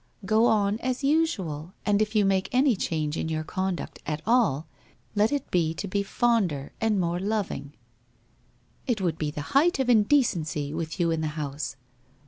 ' Go on as usual, and if you make any change in your conduct at all, let it be to be fonder and more loving.' ' It would be the height of indecency, with you in the house.'